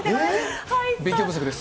勉強不足です。